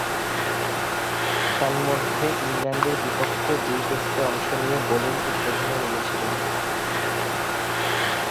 তন্মধ্যে, ইংল্যান্ডের বিপক্ষে দুই টেস্টে অংশ নিয়ে বোলিং উদ্বোধনে নেমেছিলেন।